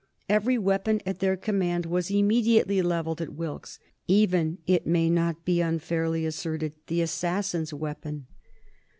Every weapon at their command was immediately levelled at Wilkes, even, it may not be unfairly asserted, the assassin's weapon.